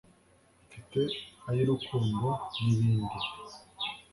mfite ayu rukundo nibindi